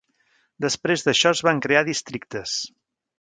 Després d'això, es van crear districtes.